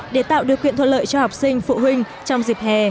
để tạo điều kiện thuận lợi cho học sinh phụ huynh trong dịp hè